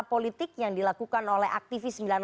politik yang dilakukan oleh aktivis